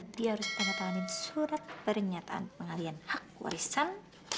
dia harus pengetahuanin surat pernyataan pengalian hak warisan